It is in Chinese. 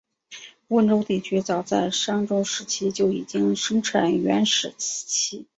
温州地区早在商周时期就已经生产原始瓷器。